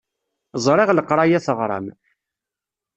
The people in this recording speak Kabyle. Ẓriɣ leqṛaya teɣṛam.